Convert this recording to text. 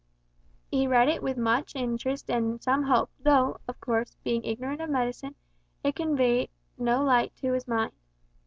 He read it with much interest and some hope, though, of course, being ignorant of medicine, it conveyed no light to his mind.